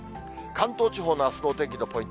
関東地方のあすのお天気のポイン